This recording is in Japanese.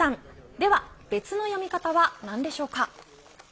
では別の読み方は何でしょうか。